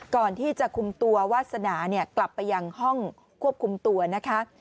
ก่อนที่จะคุมตัววาสนากลับไปยังห้องควบคุมตัวนะคะ